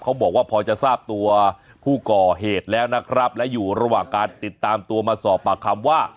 บอกว่าพอจะทราบตัวผู้ก่อเหตุแล้วนะครับและอยู่ระหว่างการติดตามตัวมาสอบปากคำว่า